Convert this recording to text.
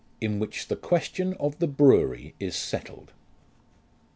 IN WHICH THE QUESTION OF THE BREWERY IS SETTLED.